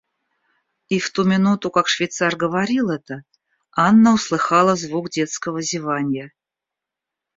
И в ту минуту, как швейцар говорил это, Анна услыхала звук детского зеванья.